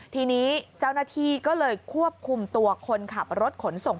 ทีนี้เจ้าหน้าที่ก็เลยควบคุมตัวคนขับรถขนส่ง